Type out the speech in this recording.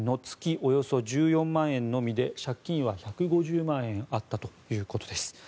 およそ１４万円のみで借金は１５０万円あったということです。